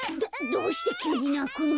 どうしてきゅうになくの？